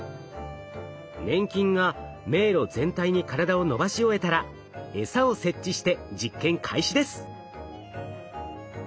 粘菌が迷路全体に体を伸ばし終えたらえさを設置して実験開始です。